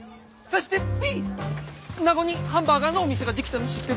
名護にハンバーガーのお店が出来たの知ってる？